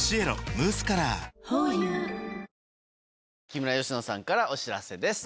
木村佳乃さんからお知らせです。